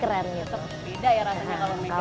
tetap beda ya rasanya kalau memegang